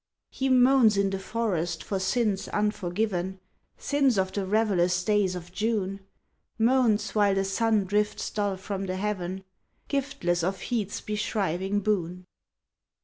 He moans in the forest for sins unforgiven (Sins of the revelous days of June) Moans while the sun drifts dull from the heaven, Giftless of heat's beshriving boon.